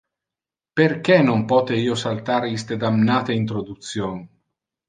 Perque non pote io saltar iste damnate introduction?